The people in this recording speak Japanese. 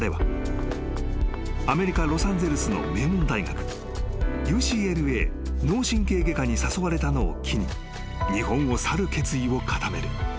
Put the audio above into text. ［アメリカロサンゼルスの名門大学ＵＣＬＡ脳神経外科に誘われたのを機に日本を去る決意を固める］